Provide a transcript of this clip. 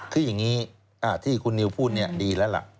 คืออย่างนี้ที่คุณนิวพูดดีแล้วล่ะ